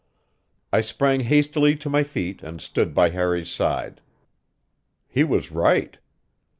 I sprang hastily to my feet and stood by Harry's side. He was right.